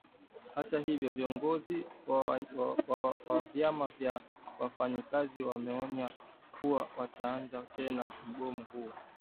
Hata hivyo viongozi wa vyama vya wafanyakazi wameonya kuwa wataanza tena mgomo huo